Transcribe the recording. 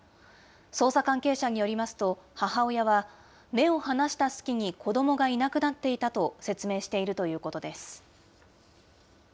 捜査関係者によりますと、母親は、目を離した隙に子どもがいなくなっていたと説明しているということです。